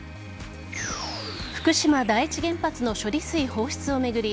福島第一原発の処理水放出を巡り